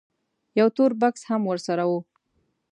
یو تور بکس هم ورسره و.